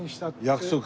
『約束』。